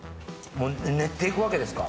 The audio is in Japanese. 練って行くわけですか。